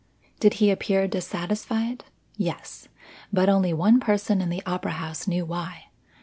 Did he appear dissatisfied? Yes; but only one person in the opera house knew why.